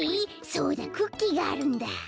そうだクッキーがあるんだ。